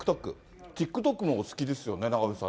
ＴｉｋＴｏｋもお好きですよね。